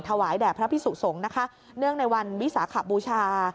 ถวายแด่พระพิสุสงฆ์นะคะเนื่องในวันวิสาขบูชา